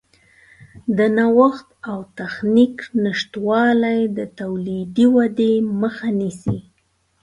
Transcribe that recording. د نوښت او تخنیک نشتوالی د تولیدي ودې مخه نیسي.